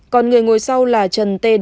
còn người ngồi sau là trần t d